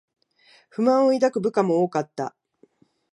不満を抱く部下も多かった